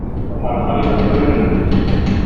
palomares tiene un ruido en el pecho